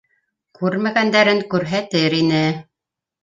Күрмәгәндәрен күрһәтер ине!